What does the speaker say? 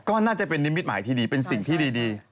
ก็น่าจะเป็นนิมิตหมายที่ดีเป็นสิ่งที่ดี